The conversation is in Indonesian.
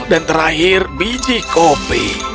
dan terakhir biji kopi